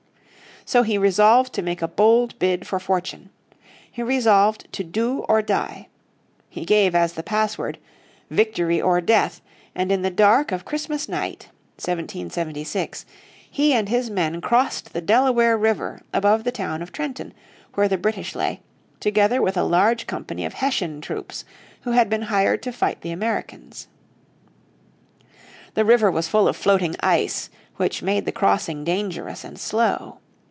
So he resolved to make a bold bid for fortune. He resolved to do or die. He gave as the password, "Victory or death," and in the dark of Christmas night, 1771, he and his men crossed the Delaware River above the town of Trenton, where the British lay, together with a large company of the Hessian troops who had been hired to fight the Americans. The river was full of floating ice, which made the crossing dangerous and slow.